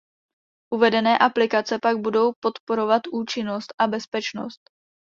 Uvedené aplikace pak budou podporovat účinnost a bezpečnost.